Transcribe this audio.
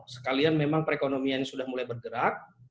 sekalian memang perekonomian sudah mulai bergerak